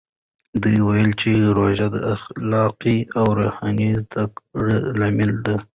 ده وویل چې روژه د اخلاقي او روحاني زده کړې لامل ده.